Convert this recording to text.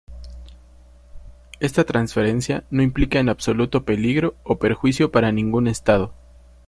Esta transferencia no implica en absoluto peligro o perjuicio para ningún Estado.